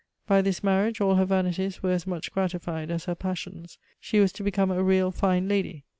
By this marriage all her vanities were as much gratified as her passions. She was to become a real fine lady.